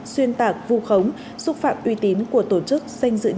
xuyên tạc vù khống xúc phạm uy tín của tổ chức danh dự nhân phẩm của cá nhân